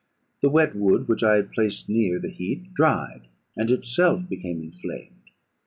The wet wood which I had placed near the heat dried, and itself became inflamed.